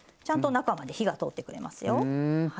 ちゃんと中まで火が通ってくれますよ。